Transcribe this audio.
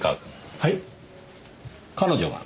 はい。